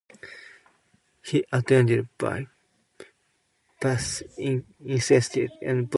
He attended Bay Path Institute and Boston College Law School.